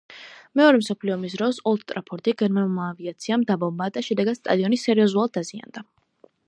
მეორე მსოფლიო ომის დროს „ოლდ ტრაფორდი“ გერმანულმა ავიაციამ დაბომბა და შედეგად სტადიონი სერიოზულად დაზიანდა.